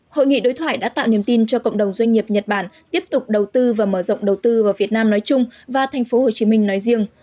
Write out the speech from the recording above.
hội nghị đối thoại đã tạo niềm tin cho cộng đồng doanh nghiệp nhật bản tiếp tục đầu tư và mở rộng đầu tư vào việt nam nói chung và tp hcm nói riêng